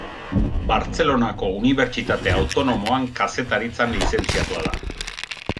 Bartzelonako Unibertsitate Autonomoan Kazetaritzan lizentziatua da.